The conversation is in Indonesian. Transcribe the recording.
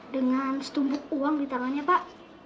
dengan setumpuk uang di tangannya pak